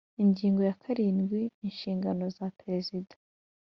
Ingingo ya karindwi Inshingano za Perezida